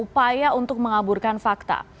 upaya untuk mengaburkan fakta